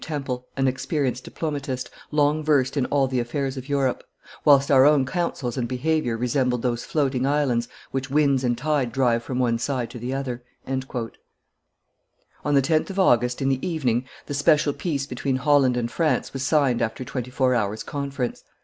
Temple, an experienced diplomatist, long versed in all the affairs of Europe, "whilst our own counsels and behavior resembled those floating islands which winds and tide drive from one side to the other." On the 10th of August, in the evening, the special peace between Holland and France was signed after twenty four hours' conference.